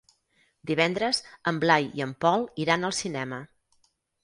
Divendres en Blai i en Pol iran al cinema.